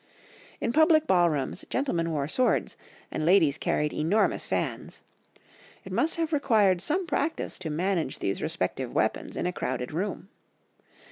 In public ballrooms gentlemen wore swords, and ladies carried enormous fans; it must have required some practice to manage these respective weapons in a crowded room.